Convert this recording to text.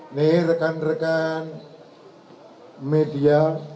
ini rekan rekan media